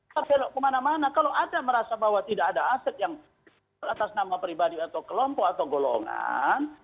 terbelok kemana mana kalau ada merasa bahwa tidak ada aset yang atas nama pribadi atau kelompok atau golongan